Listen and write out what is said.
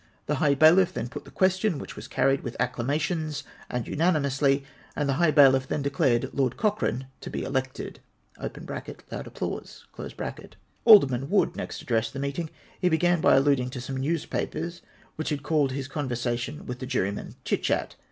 The high bailiff then put the question, which Avas carried with acclamations and unanimously, and the high bailiff then declared Lord Cochrane to be elected {loud apjjlaiise). Aldeeman Wood next addressed the meeting. He began Ijy alluding to some newspapers which had called his con versation with the juryman chit chat.